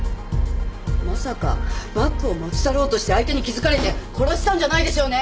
まさかバッグを持ち去ろうとして相手に気づかれて殺したんじゃないでしょうね？